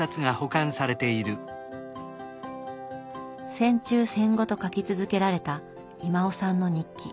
戦中戦後と書き続けられた威馬雄さんの日記。